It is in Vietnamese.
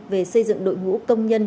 về xây dựng đội ngũ công nhân